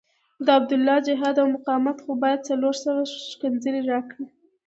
د عبدالله جهاد او مقاومت خو باید څلور سوه ښکنځلې راکړي.